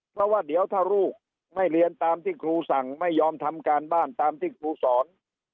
เพราะว่าเดี๋ยวถ้าลูกไม่เรียนตามที่ครูสั่งไม่ยอมทำการบ้านตามที่ครูสอน